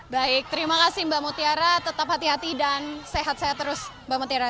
baik terima kasih mbak mutiara tetap hati hati dan sehat sehat terus mbak mutiara